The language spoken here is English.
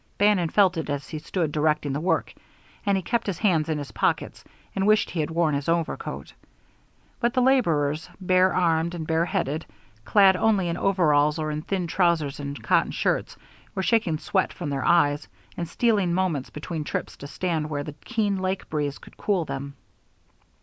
Bannon felt it as he stood directing the work, and he kept his hands in his pockets, and wished he had worn his overcoat; but the laborers, barearmed and bare headed, clad only in overalls or in thin trousers and cotton shirts, were shaking sweat from their eyes, and stealing moments between trips to stand where the keen lake breeze could cool them.